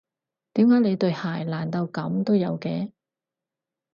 點解你對鞋爛到噉都有嘅？